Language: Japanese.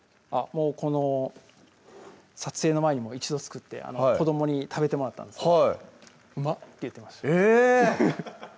この撮影の前にも一度作って子どもに食べてもらったんですはい「うまっ」って言ってましたえぇ！